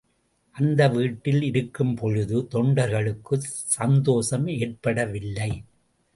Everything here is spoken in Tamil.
அந்த வீட்டில் இருக்கும்பொழுது தொண்டர்களுக்குச் சந்தோஷம் ஏற்படவில்லை.